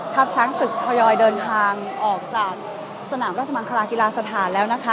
ช้างศึกทยอยเดินทางออกจากสนามราชมังคลากีฬาสถานแล้วนะคะ